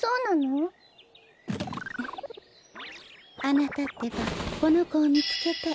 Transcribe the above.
あなたってばこのこをみつけて。